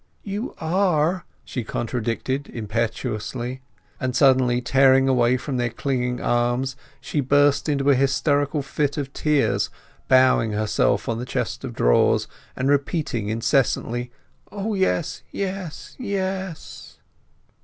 "You are!" she contradicted impetuously. And suddenly tearing away from their clinging arms she burst into a hysterical fit of tears, bowing herself on the chest of drawers and repeating incessantly, "O yes, yes, yes!"